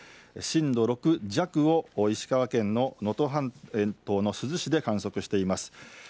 震度６弱を石川県の能登半島の珠洲市で観測しています。